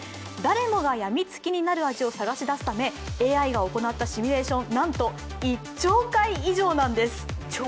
誰もがやみつきになる味を探し出すためＡＩが行ったシミュレーション、なんと１兆回以上なんです。